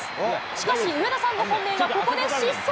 しかし、上田さんの本命がここで失速。